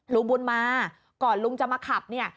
ลุงบุญมาก่อนลุงจะมาขับเนี่ย